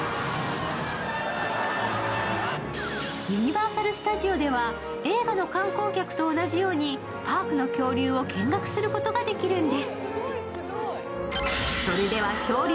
ユニバーサル・スタジオでは、映画の観光客と同じようにパークの恐竜を見学することができるんです。